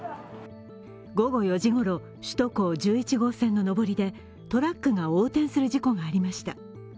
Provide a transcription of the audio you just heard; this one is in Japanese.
午後４時ごろ、首都高１１号線の上りでトラックが横転する事故がありました。